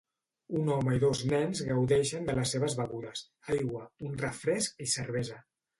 Un home i dos nens gaudeixen de les seves begudes: aigua, un refresc i cervesa.